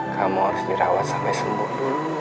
kamu harus dirawat sampai sembuh